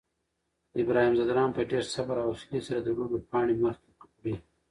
ابراهیم ځدراڼ په ډېر صبر او حوصلې سره د لوبې پاڼۍ مخکې وړي.